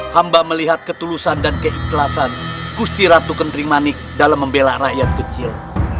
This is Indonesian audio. hamba melihat ketulusan dan keikhlasan gusti ratu kendring manik dalam membela rakyat kecil